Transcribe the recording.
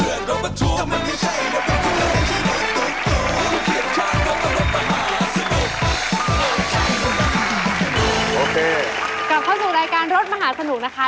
กลับเข้าสู่รายการรถมหาสนุกนะคะ